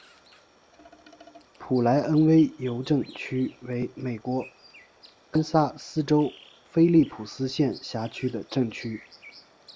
普莱恩维尤镇区为美国堪萨斯州菲利普斯县辖下的镇区。